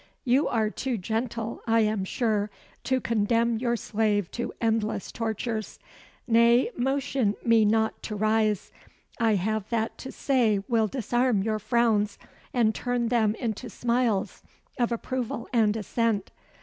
You are too gentle, I am sure, to condemn your slave to endless tortures. Nay, motion me not to rise. I have that to say will disarm your frowns, and turn them into smiles of approval and assent.